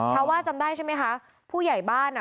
เพราะว่าจำได้ใช่ไหมคะผู้ใหญ่บ้านอ่ะ